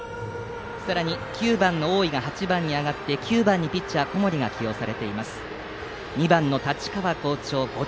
さらに９番の大井が８番に上がって９番にピッチャー、小森が起用されています。